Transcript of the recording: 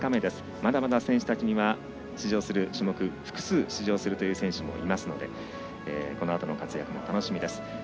まだまだ選手たちの中には複数出場するという選手もいますのでこのあとの活躍も楽しみです。